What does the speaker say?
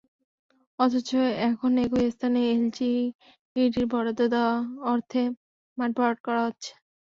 অথচ এখন একই স্থানে এলজিইডির বরাদ্দ দেওয়া অর্থে মাঠ ভরাট করা হচ্ছে।